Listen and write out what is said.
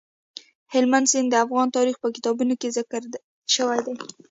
هلمند سیند د افغان تاریخ په کتابونو کې ذکر شوی دي.